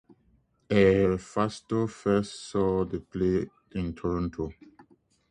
Foster first saw the play in Toronto.